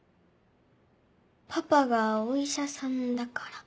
パパがお医者さんだから。